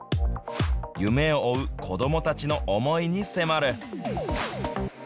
夢を追う子どもたちの思いに迫る。